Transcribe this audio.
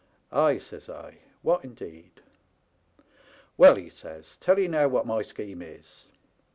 * Ay,' says I, ' what indeed ?'"* Well,' he says, ' tell 'ee new what my scheme is.